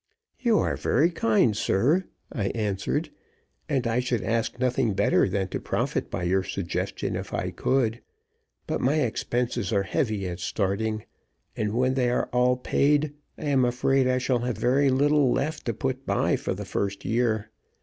"You are very kind, sir," I answered, "and I should ask nothing better than to profit by your suggestion, if I could. But my expenses are heavy at starting, and when they are all paid I am afraid I shall have very little left to put by for the first year.